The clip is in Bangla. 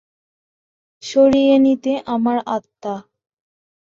সরিয়ে নিতে আমার আত্মা।